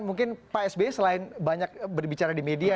mungkin pak sby selain banyak berbicara di media